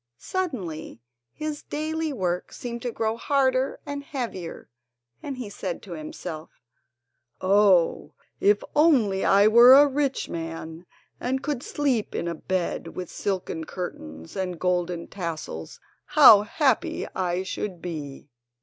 Suddenly his daily work seemed to grow harder and heavier, and he said to himself: "Oh, if only I were a rich man, and could sleep in a bed with silken curtains and golden tassels, how happy I should be!"